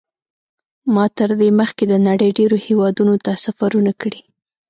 ما تر دې مخکې د نړۍ ډېرو هېوادونو ته سفرونه کړي.